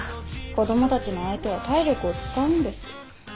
子供たちの相手は体力を使うんです。